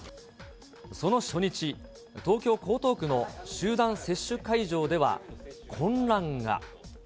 その初日、東京・江東区の集団接種会場では、混乱が。